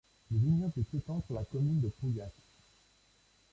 Le vignoble s'étend sur la commune de Pauillac.